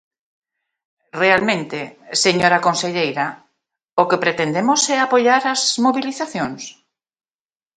Realmente, señora conselleira, ¿o que pretendemos é apoiar as mobilizacións?